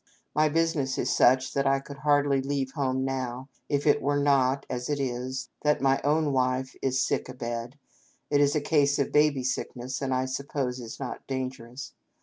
My business is such that I could hardly leave home now, if it were not, as it is, that my own wife is sick a bed (it is a case of baby sickness, and I suppose is not dangerous).